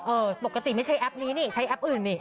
ปกติไม่ใช่แอปนี้นี่ใช้แอปอื่นนี่